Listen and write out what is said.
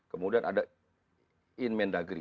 kemudian ada in mendagri